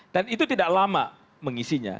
dan itu tidak lama mengisinya